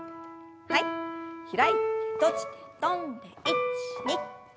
はい開いて閉じて跳んで１２３。